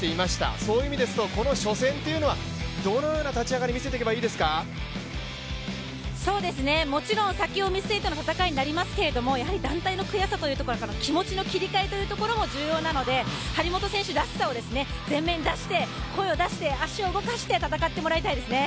そういう意味ですとこの初戦というのはどのような立ち上がりをもちろん先を見据えての戦いになりますけど、団体戦の悔しさの気持ちの切り替えというところも重要なので張本選手らしさを前面に出して声を出して足を動かして戦ってもらいたいですね。